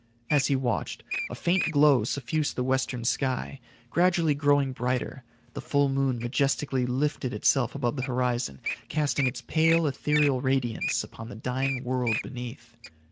As he watched, a faint glow suffused the western sky, gradually growing brighter, the full moon majestically lifted itself above the horizon, casting its pale, ethereal radiance upon the dying world beneath.